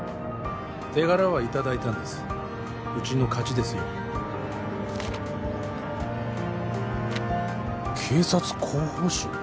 手柄はいただいたんですうちの勝ちですよ警察広報誌？